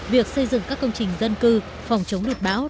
việc xây dựng các công trình dân cư phòng chống lụt bão